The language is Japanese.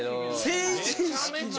成人式で。